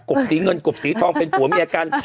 บสีเงินกบสีทองเป็นผัวเมียกัน